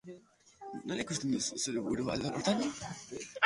Nola ikusten duzu zure burua alor horretan?